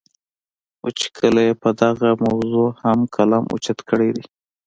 خو چې کله ئې پۀ دغه موضوع هم قلم اوچت کړے دے